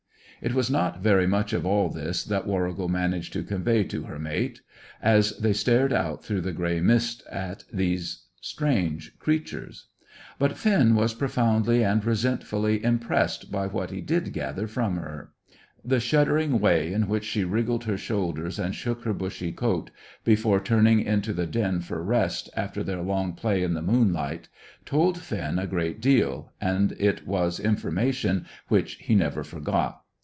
It was not very much of all this that Warrigal managed to convey to her mate, as they stared out through the grey mist at these strange creatures, but Finn was profoundly and resentfully impressed by what he did gather from her. The shuddering way in which she wriggled her shoulders and shook her bushy coat before turning into the den for rest after their long play in the moonlight, told Finn a good deal, and it was information which he never forgot.